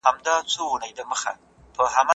د اګوستين په اثر کي د قدرت د منشأ په اړه بحث سوی دی.